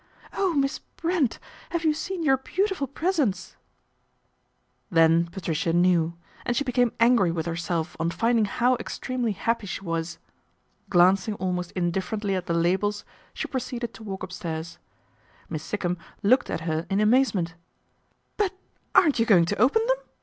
" Oh, Miss Brent ! have you seen your beautiful presents ?" Then Patricia knew, and she became angry with herself on rinding how extremely happy she was. Glancing almost indifferently at the labels she pro 46 PATRICIA BRENT, SPINSTER ceeded to walk upstairs. Miss Sikkum looked at her in amazement. " But aren't you going to open them